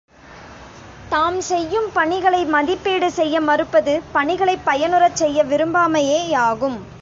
தாம் செய்யும் பணிகளை மதிப்பீடு செய்ய மறுப்பது, பணிகளைப் பயனுறச் செய்ய விரும்பாமையே யாகும்.